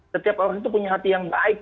setiap orang itu punya hati yang baik